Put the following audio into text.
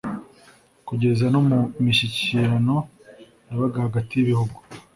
kugeza no mu mishyikirano yabaga hagati y'ibihugu.